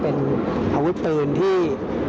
เป็นอาวุธปืนที่